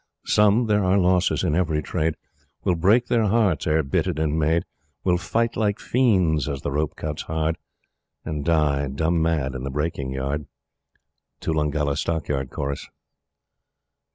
] Some there are losses in every trade Will break their hearts ere bitted and made, Will fight like fiends as the rope cuts hard, And die dumb mad in the breaking yard." Toolungala Stockyard Chorus.